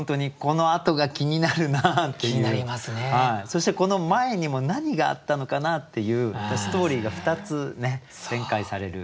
そしてこの前にも何があったのかなっていうストーリーが２つ展開される。